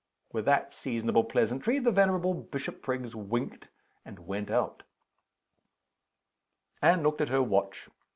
With that seasonable pleasantry the venerable Bishopriggs winked, and went out. Anne looked at her watch.